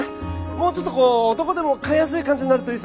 もうちょっとこう男でも買いやすい感じになるといいっすよね。